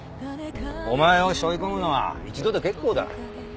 お前をしょい込むのは一度で結構だ。